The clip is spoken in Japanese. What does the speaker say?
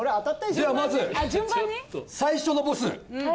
ではまず最初のボス。